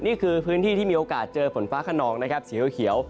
นี่คือพื้นที่ที่มีโอกาสเจอฝนฟ้าขนองนะครับสีเขียว